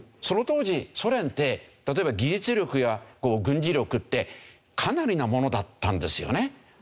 その当時ソ連って例えば技術力や軍事力ってかなりなものだったんですよね。